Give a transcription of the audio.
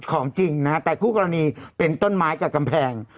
ของจริงนะฮะแต่คู่กรณีเป็นต้นไม้กับกำแพง